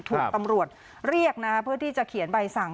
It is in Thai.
ถูกตำรวจเรียกนะเพื่อที่จะเขียนใบสั่ง